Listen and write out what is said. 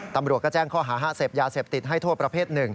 ตำรวจก็แจ้งข้อหาเสพยาเสพติดให้โทษประเภท๑